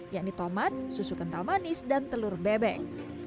yakni tomat susu kental manis dan telur bebek